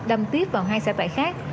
đâm tiếp vào hai xe tải khác